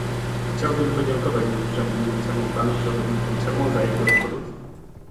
Chciałbym podziękować urzędującemu panu przewodniczącemu za jego odpowiedź